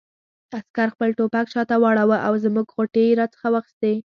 عسکر خپل ټوپک شاته واړاوه او زموږ غوټې یې را څخه واخیستې.